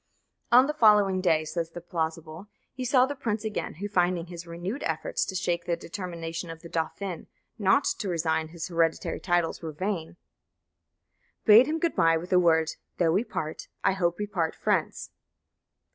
On the following day, says "the plausible," he saw the prince again, who, finding his renewed efforts to shake the determination of the dauphin not to resign his hereditary titles were vain, bade him good bye with the words, "Though we part, I hope we part friends."